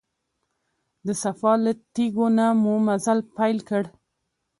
د صفا له تیږو نه مو مزل پیل کړ.